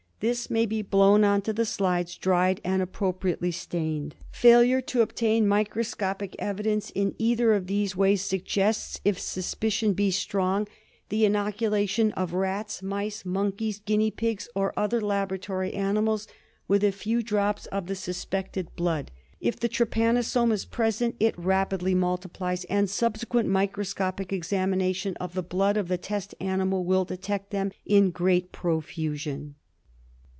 This may be blown on to slides, dried, and appropriately stained. Failure to obtain microscopic evidence in either of these ways suggests, if suspicion be strong, the in DIAGNOSIS OF ELEPHANTOID FEVER. 185 oculation of rats, mice, monkeys, guinea pigs, or other laboratory animals with a few drops of the suspected blood. If the trypanosome is present it rapidly multiplies, and subsequent microsopic examination of the blood of the test animal will detect them in great profusion.